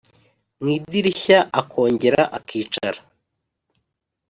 mu idirishya akongera akicara